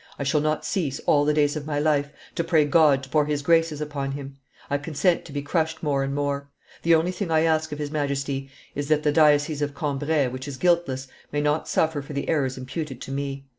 I shall not cease, all the days of my life, to pray God to pour His graces upon him. I consent to be crushed more and more. The only thing I ask of his Majesty is, that the diocese of Cambrai, which is guiltless, may not suffer for the errors imputed to me.